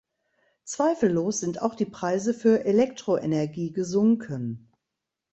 Zweifellos sind auch die Preise für Elektroenergie gesunken.